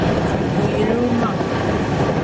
O yil’ omaŋ’.